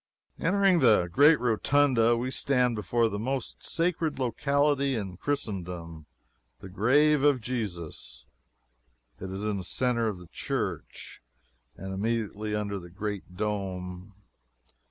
Entering the great Rotunda, we stand before the most sacred locality in Christendom the grave of Jesus. It is in the centre of the church, and immediately under the great dome.